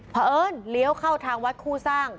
เพราะเอิญเลี้ยวเข้าทางวัดคู่สร้าง